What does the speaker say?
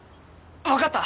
分かった。